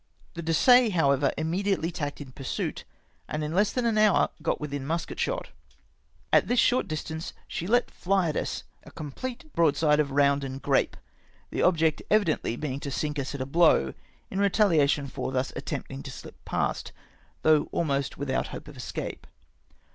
The Dessaix, however, immediately tacked in pursuit, and in less than an hour got within LINE OF BATTLE SHIPS. 127 musket shot. At this short distance, she let fly at us a complete broadside of round and grape, the object evi dently being to sink us at a blow, in retahation for thus attempting to shp past, though almost without hope of escape.